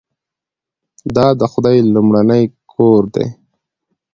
دا د خدای لومړنی کور دی.